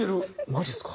マジっすか？